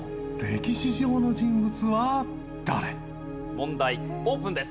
問題オープンです。